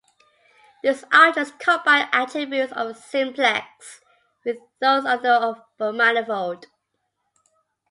These objects combine attributes of a simplex with those of a manifold.